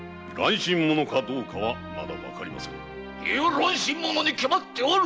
乱心者に決まっておる‼